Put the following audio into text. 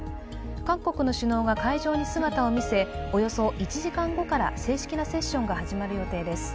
各国の首脳が会場に姿を見せ、およそ１時間後から正式なセッションが始まる予定です。